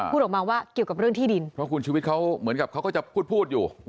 เพราะคุณชุวิตเขาเหมือนกับเขาก็จะพูดพูดอยู่